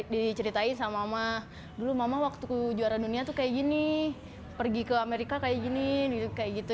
pergi ke amerika kayak gini kayak gitu